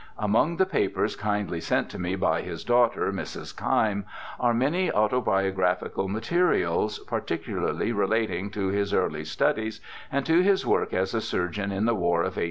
Among the papers kindly sent to me by his daughter, Mrs. Keim, are many autobiographical materials, par ticularly relating to his early studies and to his work as a surgeon in the War of 1812.